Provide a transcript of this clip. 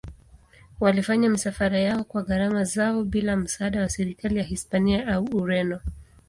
Walifanya misafara yao kwa gharama zao bila msaada wa serikali ya Hispania au Ureno.